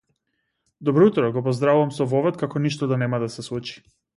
Добро утро, го поздравувам со вовед како ништо да нема да се случи.